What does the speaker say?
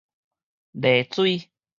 麗水